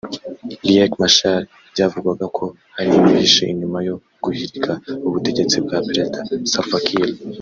Riek Machar byavugwaga ko ari we wihishe inyuma yo guhirika ubutegetsi bwa Perezida Salva Kiir